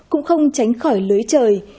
cũng không tránh khỏi lưới trời